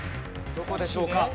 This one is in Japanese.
どこでしょうか？